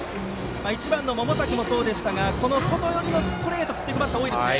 １番の百崎もそうでしたが外寄りのストレートを振っていくバッターが多いですね。